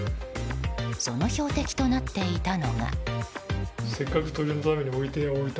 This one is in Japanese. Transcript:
その標的となっていたのが。